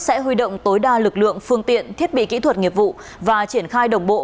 sẽ huy động tối đa lực lượng phương tiện thiết bị kỹ thuật nghiệp vụ và triển khai đồng bộ